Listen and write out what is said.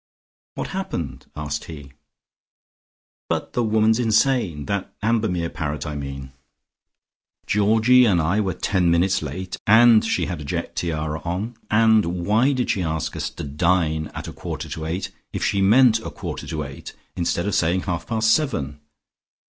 "What happened?" asked he. "But the woman's insane, that Ambermere parrot, I mean. Georgie and I were ten minutes late, and she had a jet tiara on, and why did she ask us to dine at a quarter to eight, if she meant a quarter to eight, instead of saying half past seven?